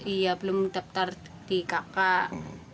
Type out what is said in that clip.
iya belum daftar di kakak